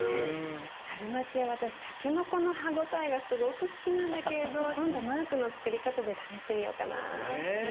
春巻きは私たけのこの歯応えがすごく好きなんだけれど今度マークのつくり方で試してみようかな。ね。